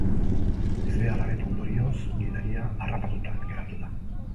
Ezbeharraren ondorioz, gidaria harrapatuta geratu da.